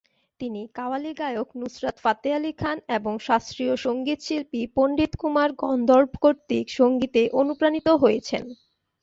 তিনি কাওয়ালি গায়ক নুসরাত ফাতেহ আলী খান এবং শাস্ত্রীয় সঙ্গীতশিল্পী পণ্ডিত কুমার গন্ধর্ব কর্তৃক সঙ্গীতে অনুপ্রানিত হয়েছেন।